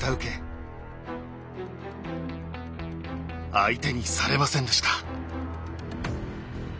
相手にされませんでした。